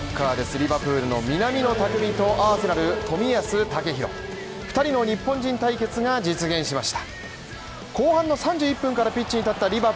リヴァプールの南野拓実とアーセナル冨安健洋２人の日本人対決が実現しました。